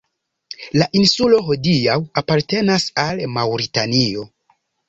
La insulo hodiaŭ apartenas al Maŭritanio.